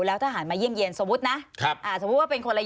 แล้วทหารมาเยี่ยมเยี่ยนสมมุตินะสมมุติว่าเป็นคนละ๒๐